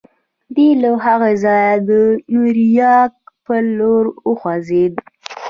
دی له هغه ځایه د نیویارک پر لور وخوځېد